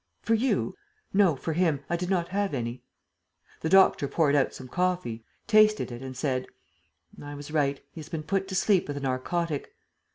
"For you?" "No, for him. I did not have any." The doctor poured out some coffee, tasted it and said: "I was right. He has been put to sleep with a narcotic."